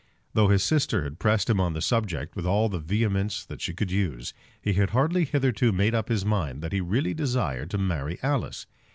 Though his sister had pressed him on the subject with all the vehemence that she could use, he had hardly hitherto made up his mind that he really desired to marry Alice.